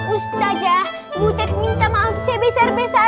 ustazah butet minta maaf sebesar besarnya